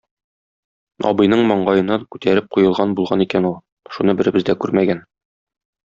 Абыйның маңгаена күтәреп куелган булган икән ул, шуны беребез дә күрмәгән.